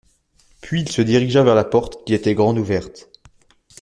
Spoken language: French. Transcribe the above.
Puis, il se dirigea vers la porte qui était grande ouverte.